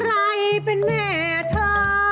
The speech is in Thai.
ใครเป็นแม่เธอ